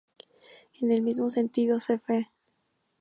En el mismo sentido, cf.